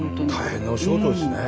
大変なお仕事ですね。